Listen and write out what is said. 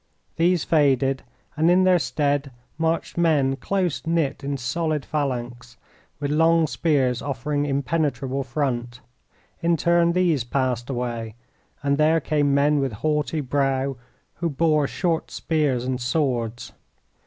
These faded, and in their stead marched men close knit in solid phalanx, with long spears offering impenetrable front. In turn these passed away, and there came men with haughty brow, who bore short spears and swords.